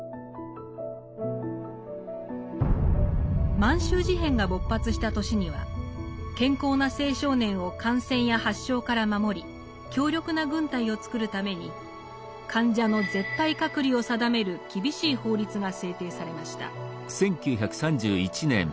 満州事変が勃発した年には健康な青少年を感染や発症から守り強力な軍隊を作るために患者の絶対隔離を定める厳しい法律が制定されました。